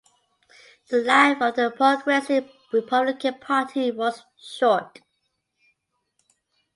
The life of the Progressive Republican Party was short.